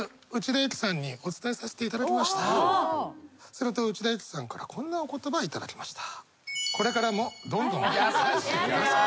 すると内田有紀さんからこんなお言葉いただきました。